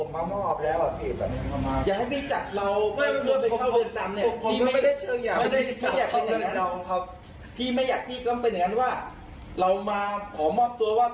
และผมขอวพตูว่าเอาเป็นว่าพวกพี่ไม่ได้เป็นนรรวชนะครับ